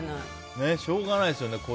しょうがないですよね。